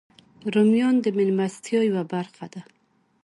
رومیان د میلمستیا یوه برخه ده